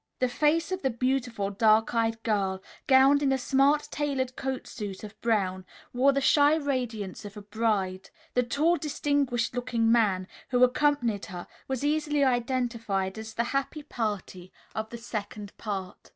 The face of the beautiful, dark eyed girl, gowned in a smart tailored coat suit of brown, wore the shy radiance of a bride. The tall, distinguished looking man who accompanied her was easily identified as the happy party of the second part.